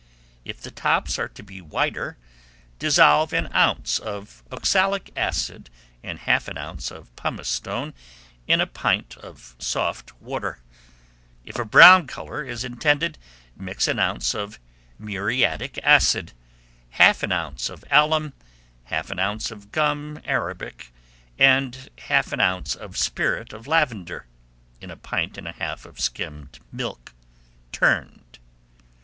If the tops are to be whiter, dissolve an ounce of oxalic acid and half an ounce of pumice stone in a pint of soft water; if a brown colour is intended, mix an ounce of muriatic acid, half an ounce of alum, half an ounce of gum Arabic, and half an ounce of spirit of lavender, in a pint and a half of skimmed milk "turned."